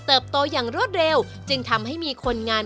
โตอย่างรวดเร็วจึงทำให้มีคนงาน